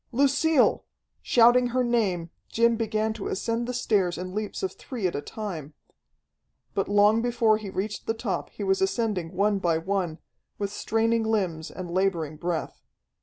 Lucille! Shouting her name, Jim began to ascend the stairs in leaps of three at a time. But long before he reached the top he was ascending one by one, with straining limbs and laboring breath.